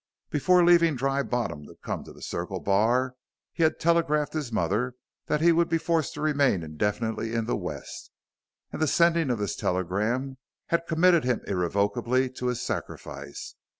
Before leaving Dry Bottom to come to the Circle Bar he had telegraphed his mother that he would be forced to remain indefinitely in the West, and the sending of this telegram had committed him irrevocably to his sacrifice.